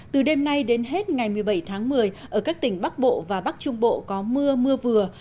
từ đêm nay đến hết ngày một mươi bảy tháng một mươi ở các tỉnh bắc bộ và bắc trung bộ có mưa mưa vừa